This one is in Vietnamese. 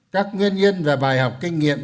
các nguyên nhân và bài học kinh nghiệm